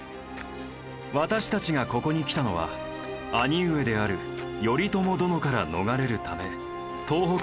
私たちがここに来たのは兄上である頼朝殿から逃れるため東北へ向かう途中だった。